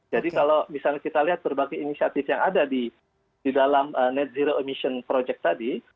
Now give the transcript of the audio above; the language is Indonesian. jadi kalau misalnya kita lihat berbagai inisiatif yang ada di dalam net zero emission project tadi